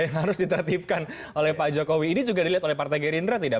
yang harus ditertibkan oleh pak jokowi ini juga dilihat oleh partai gerindra tidak